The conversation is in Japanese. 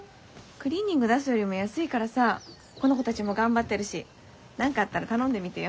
クリーニング出すよりも安いからさこの子たちも頑張ってるし何かあったら頼んでみてよ。